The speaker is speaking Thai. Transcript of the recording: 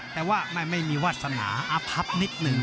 แต่ว่าไม่มีวาสนาอภับนิดหนึ่ง